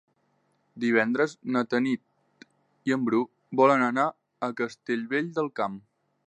Divendres na Tanit i en Bru volen anar a Castellvell del Camp.